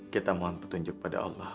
kita mohon petunjuk pada allah